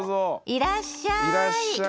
いらっしゃい。